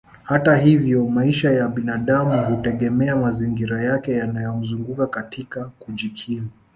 Hata hivyo maisha ya binadamu hutegemea mazingira yake yanayomzunguka katika kujikimu